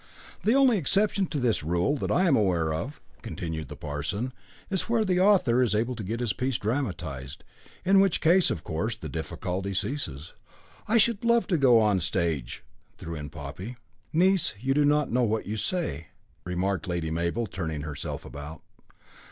The only exception to this rule that I am aware of," continued the parson, "is where the author is able to get his piece dramatised, in which case, of course, the difficulty ceases." "I should love to go on the stage," threw in Poppy. "Niece, you do not know what you say," remarked Lady Mabel, turning herself about.